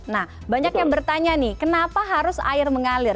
nah banyak yang bertanya nih kenapa harus air mengalir